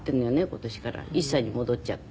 今年から１歳に戻っちゃって。